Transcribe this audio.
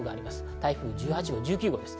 台風１８号１９号です。